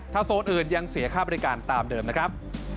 โซนอื่นยังเสียค่าบริการตามเดิมนะครับ